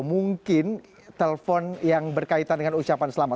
mungkin telpon yang berkaitan dengan ucapan selamat